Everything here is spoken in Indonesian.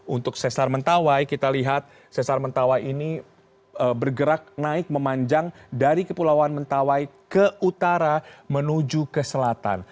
untuk sesar mentawai kita lihat sesar mentawai ini bergerak naik memanjang dari kepulauan mentawai ke utara menuju ke selatan